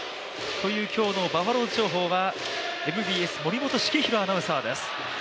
今日のバファローズ情報はＭＢＳ、森本栄浩アナウンサーです。